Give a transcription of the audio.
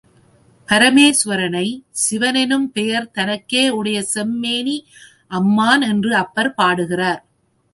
பரமேசுவரனை, சிவனெனும் பெயர் தனக்கே உடைய செம்மேனி அம்மான் என்று அப்பர் பாடுகிறார்.